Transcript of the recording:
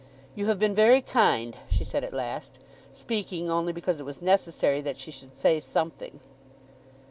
"You have been very kind," she said at last, speaking only because it was necessary that she should say something.